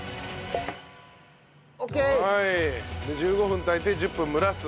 １５分炊いて１０分蒸らす。